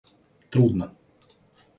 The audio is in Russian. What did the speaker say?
трудно